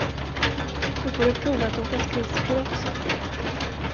Då får du prova att åka skridskor också!